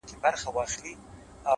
د کلې خلگ به دي څه ډول احسان ادا کړې-